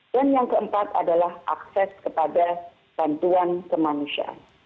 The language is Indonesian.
dan yang keempat adalah akses kepada bantuan kemanusiaan